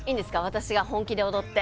私が本気で踊って。